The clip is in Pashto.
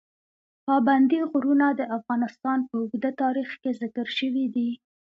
پابندي غرونه د افغانستان په اوږده تاریخ کې ذکر شوي دي.